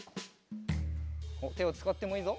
てをつかってもいいぞ。